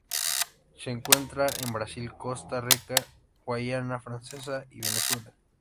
Se encuentra en Brasil, Costa Rica, Guayana Francesa y Venezuela.